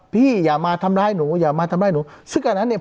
อย่ามาทำร้ายหนูอย่ามาทำร้ายหนูซึ่งอันนั้นเนี่ย